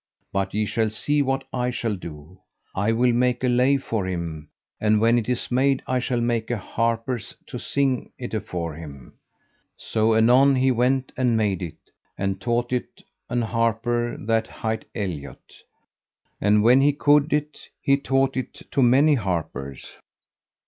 But ye shall see what I shall do; I will make a lay for him, and when it is made I shall make an harper to sing it afore him. So anon he went and made it, and taught it an harper that hight Eliot. And when he could it, he taught it to many harpers.